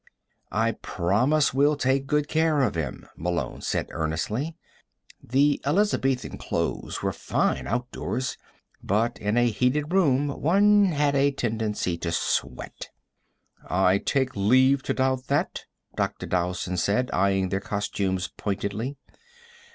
"I promise we'll take good care of him." Malone said earnestly. The Elizabethan clothes were fine outdoors, but in a heated room one had a tendency to sweat. "I take leave to doubt that," Dr. Dowson said, eying their costumes pointedly.